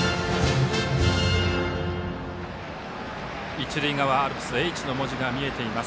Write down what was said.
一塁側アルプスにＨの文字が見えています。